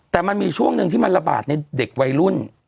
แต่มันมีช่วงหนึ่งที่มันระบาดในเด็กวัยรุ่น